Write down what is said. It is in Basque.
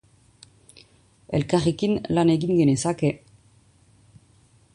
Elkarrekin lan egin genezake.